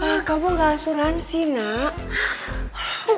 ah kamu gak asuransi nak